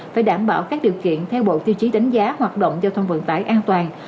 phải đảm bảo các điều kiện theo bộ tiêu chí đánh giá hoạt động giao thông vận tải an toàn